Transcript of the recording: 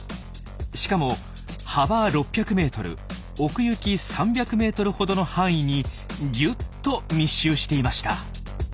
しかも幅６００ｍ奥行き３００ｍほどの範囲にぎゅっと密集していました。